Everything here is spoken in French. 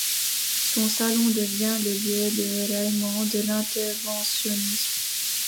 Son salon devient le lieu de ralliement de l’interventionnisme.